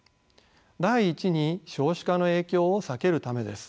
第一に少子化の影響を避けるためです。